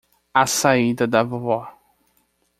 A saída da vovó